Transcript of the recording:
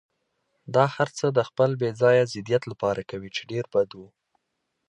دا هرڅه د خپل بې ځایه ضدیت لپاره کوي، چې ډېر بد و.